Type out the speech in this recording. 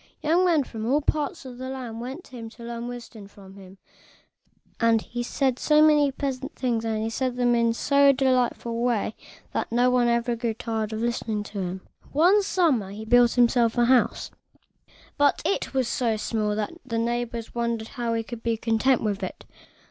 Young men from all parts of the land went to him to learn wisdom from him; and he said so many pleasant things, and said them in so delightful a way, that no one ever grew tired of listening to him. One summer he built himself a house, but it was so small that his neighbors wondered how he could be content with it.